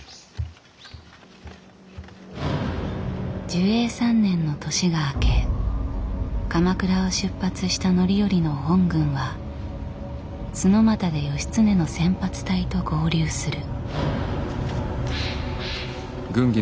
寿永３年の年が明け鎌倉を出発した範頼の本軍は墨俣で義経の先発隊と合流する。